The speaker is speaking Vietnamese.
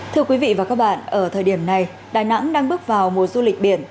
thưa quý vị và các bạn ở thời điểm này đà nẵng đang bước vào mùa du lịch biển